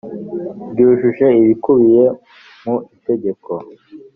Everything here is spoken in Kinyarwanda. ryujuje ibikubiye mu itegeko